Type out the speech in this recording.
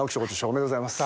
ありがとうございます。